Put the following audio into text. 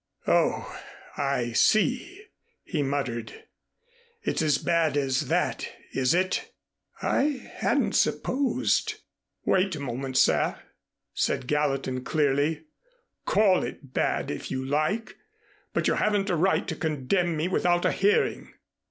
"Oh, I see," he muttered. "It's as bad as that, is it? I hadn't supposed " "Wait a moment, sir," said Gallatin clearly. "Call it bad, if you like, but you haven't a right to condemn me without a hearing."